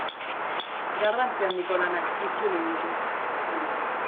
Garrantzi handiko lanak itzuli ditu.